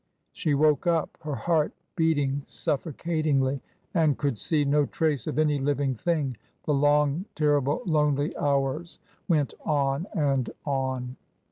'* She woke up, her heart beating suflTocatingly, and could see no trace of any living thing. The long, terrible, lonely hours went on and on.